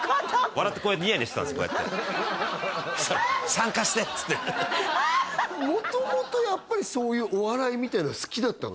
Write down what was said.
笑ってニヤニヤしてたんですこうやってそしたら「参加して」っつって元々やっぱりそういうお笑いみたいなのは好きだったの？